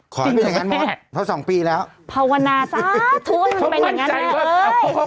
จริงจริงแบบนี้แหละเพราะ๒ปีแล้วเพราะวันนาซาทุนมันเป็นอย่างนั้นแหละเฮ้ย